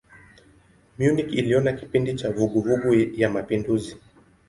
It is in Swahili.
Munich iliona kipindi cha vuguvugu ya mapinduzi.